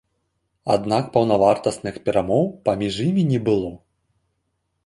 Аднак паўнавартасных перамоў паміж імі не было.